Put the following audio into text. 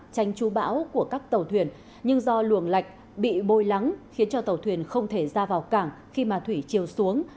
tranh chú bão của các tàu thuyền nhưng do luồng lạch bị bôi lắng khiến cho tàu thuyền không thể ra vào cảng khi mà thủy chiều xuống